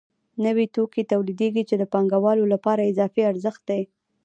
نوي توکي تولیدېږي چې د پانګوالو لپاره اضافي ارزښت دی